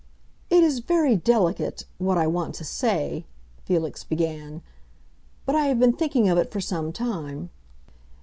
"It is very delicate—what I want to say," Felix began. "But I have been thinking of it for some time."